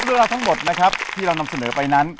เรื่องราวทั้งหมดนะครับที่เรานำเสนอไปนั้น